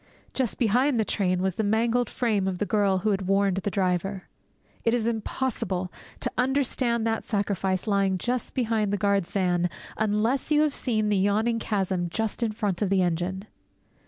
Just behind the train was the mangled frame of the girl who had warned the driver. _It is impossible to understand that sacrifice lying just behind the guard's van unless you have seen the yawning chasm just in front of the engine!